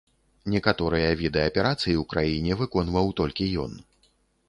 Некаторыя віды аперацый у краіне выконваў толькі ён.